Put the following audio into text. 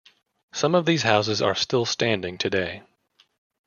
Some of these houses are still standing today.